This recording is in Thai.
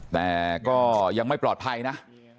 แต่ก็ยังไม่ปลอดภัยนะ